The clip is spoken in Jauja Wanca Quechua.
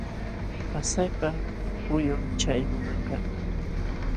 Pasaypa huyum chay nunakaq.